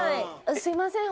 「すみません。